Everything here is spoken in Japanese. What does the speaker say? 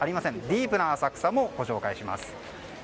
ディープな浅草をご紹介します。